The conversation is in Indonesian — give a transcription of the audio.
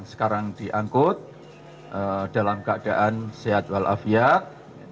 sekarang diangkut dalam keadaan sehat walafiat